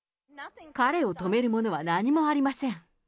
彼を止めるものは何もありません。